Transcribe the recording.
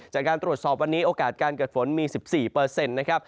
จากการตรวจสอบวันนี้โอกาสการเกิดฝนมี๑๔นะครับ